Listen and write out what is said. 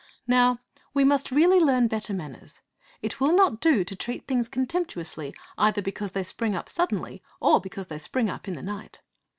Now we must really learn better manners. It will not do to treat things contemptuously either because they spring up suddenly, or because they spring up in the night.